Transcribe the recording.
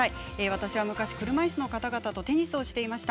私は昔、車いすの方々とテニスをしていました。